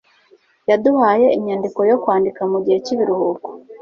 Yaduhaye inyandiko yo kwandika mugihe cyibiruhuko.